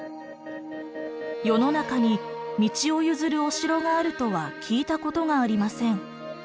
「世の中に道を譲るお城があるとは聞いたことがありません。